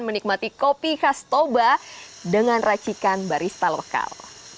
menikmati kopi khas tobasa dengan racikan barisan